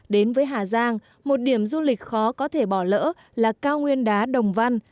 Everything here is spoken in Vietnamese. đến với hà giang một điểm du lịch khó có thể bỏ lỡ là cao nguyên đá đồng văn